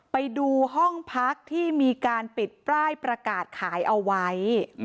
ไปดูห้องพักที่มีการปิดป้ายประกาศขายเอาไว้